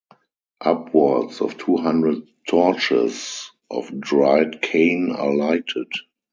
Upwards of two hundred torches of dried cane are lighted.